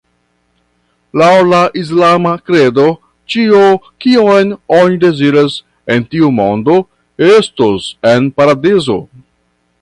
Laŭ la islama kredo, ĉio kion oni deziras en tiu mondo estos en Paradizo.